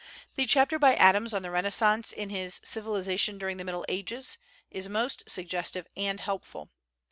The chapter by Adams on the Renaissance in his "Civilization During the Middle Ages" is most suggestive and helpful.